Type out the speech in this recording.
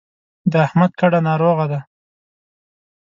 د احمد کډه ناروغه ده.